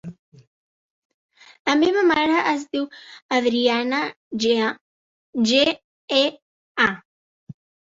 La meva mare es diu Adriana Gea: ge, e, a.